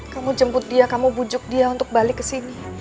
kamu jemput dia kamu bujuk dia untuk balik kesini